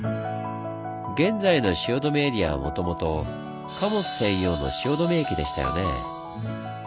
現在の汐留エリアはもともと貨物専用の汐留駅でしたよね。